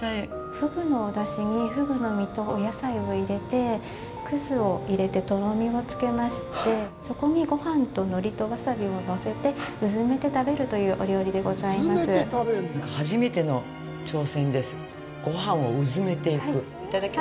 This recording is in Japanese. フグのお出汁にフグの身とお野菜を入れて葛を入れてとろみをつけましてそこに、ごはんとノリとわさびをのせてうずめて食べるというお料理でございます。